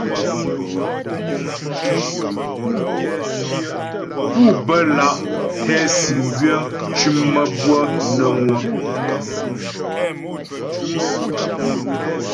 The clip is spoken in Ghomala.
Pú bə́́ lǎ' tɛ sìm gwyə̌ mcʉ̀m maə́bʉə̌'ə nə́ ŋwə̌.